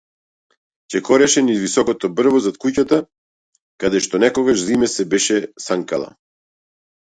Чекореше низ високото брдо зад куќата, каде што некогаш зиме се беше санкала.